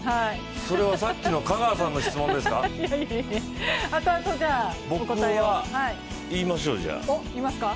それはさっきの香川さんの質問ですか？